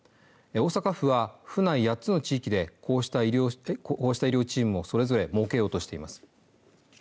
大阪府は府内８つの地域でこうした医療チームをそれぞれ設けようとしています。